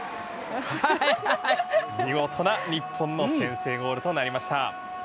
見事な日本の先制ゴールとなりました。